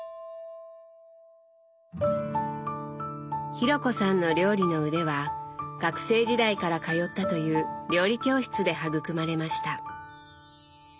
紘子さんの料理の腕は学生時代から通ったという料理教室で育まれました。